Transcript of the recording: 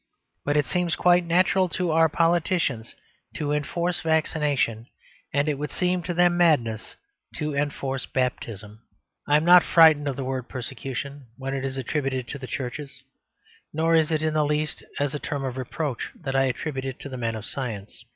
But it seems quite natural to our politicians to enforce vaccination; and it would seem to them madness to enforce baptism. I am not frightened of the word "persecution" when it is attributed to the churches; nor is it in the least as a term of reproach that I attribute it to the men of science.